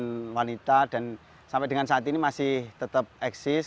dan wanita dan sampai dengan saat ini masih tetap eksis